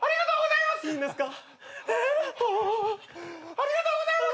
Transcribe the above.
ありがとうございます！